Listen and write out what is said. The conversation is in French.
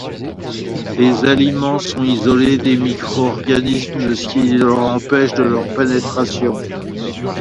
Les aliments sont isolés des micro-organismes ce qui empêche leur pénétration.